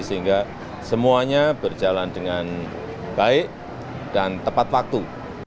sehingga semuanya berjalan dengan baik dan tepat waktu